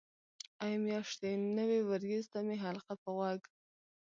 ای میاشتې نوې وریځ ته مې حلقه په غوږ.